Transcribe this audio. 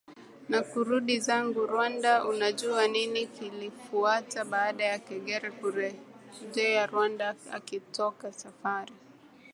na kurudi zangu RwandaUnajua nini kilifuata baada ya Kagere kurejea Rwanda akitoka safari